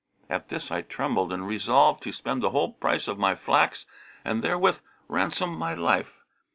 At this I trembled and resolved to spend the whole price of my flax and therewith ransom my life.